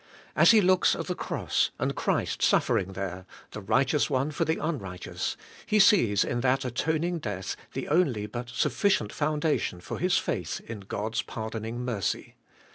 As he looks at the Cross, and Christ suffering there, the Kighteous One /or the unrighteous, he sees in that atoning death the only but sufficient founda tion for his faith in God's pardoning mercy.